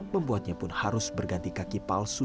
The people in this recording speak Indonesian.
membuatnya pun harus berganti kaki palsu